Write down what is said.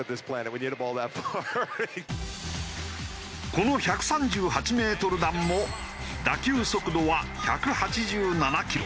この１３８メートル弾も打球速度は１８７キロ。